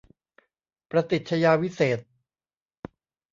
ประติชญาวิเศษณ์